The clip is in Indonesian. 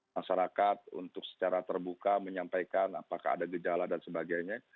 masyarakat untuk secara terbuka menyampaikan apakah ada gejala dan sebagainya